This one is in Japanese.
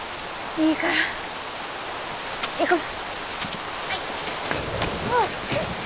いいから行こう。